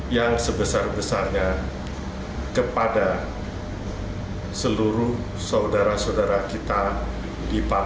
yang sebesar besarnya kepada seluruh saudara saudara kita di papua